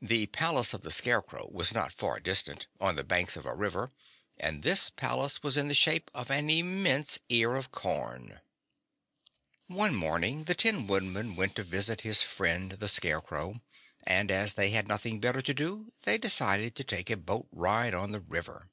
The palace of the Scarecrow was not far distant, on the banks of a river, and this palace was in the shape of an immense ear of corn. One morning the Tin Woodman went to visit his friend the Scarecrow, and as they had nothing better to do they decided to take a boat ride on the river.